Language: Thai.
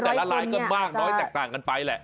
คือแต่ละลาย๒๕๕เนี่ยอาจจะเที่ยวร้ายน้อยแตกต่างกันไปแหละ